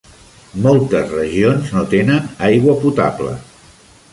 Moltes regions no tenen aigua potable.